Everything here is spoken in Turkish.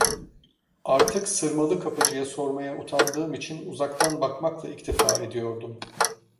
Artık sırmalı kapıcıya sormaya utandığım için, uzaktan bakmakla iktifa ediyordum.